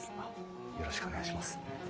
よろしくお願いします。